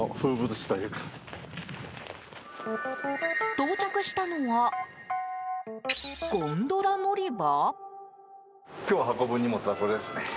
到着したのはゴンドラ乗り場？